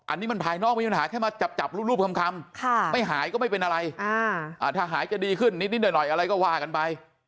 อันนี้มันภายนอกมีปัญหาแค่มาจับรูปคำไม่หายก็ไม่เป็นอะไรถ้าหายจะดีขึ้นนิดหน่อยอะไรก็ว่ากันไป